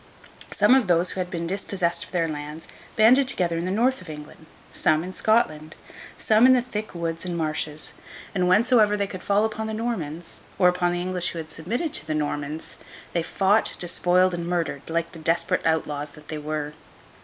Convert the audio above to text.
Some of those who had been dispossessed of their lands, banded together in the North of England; some, in Scotland; some, in the thick woods and marshes; and whensoever they could fall upon the Normans, or upon the English who had submitted to the Normans, they fought, despoiled, and murdered, like the desperate outlaws that they were.